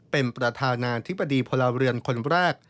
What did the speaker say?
เป็นประธานาธิบดีพลเรือนคนแรก